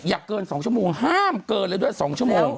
เกิน๒ชั่วโมงห้ามเกินเลยด้วย๒ชั่วโมง